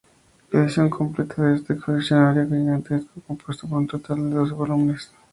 La edición completa de este diccionario gigantesco compuesto por un total de doce volúmenes.